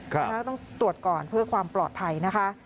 ต้องตรวจก่อนเพื่อความปลอดภัยนะคะ